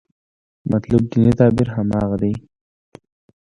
مطلوب دیني تعبیر هماغه دی.